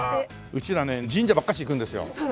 うちらね神社ばっかし行くんですよ。